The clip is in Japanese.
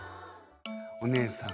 お姉さん